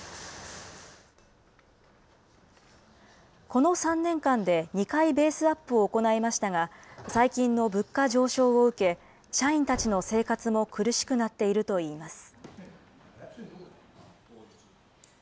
この３年間で２回ベースアップを行いましたが、最近の物価上昇を受け、社員たちの生活も苦しくなっているといいます。